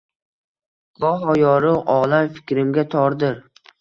Goho yorug‘ olam fikrimga tordir.